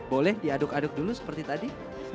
boleh diaduk aduk dulu seperti tadi